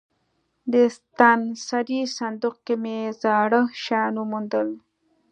د ستنسرۍ صندوق کې مې زاړه شیان وموندل.